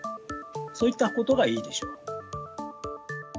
そういったことがいいでしょう。